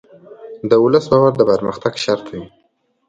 د ولس باور د پرمختګ شرط دی.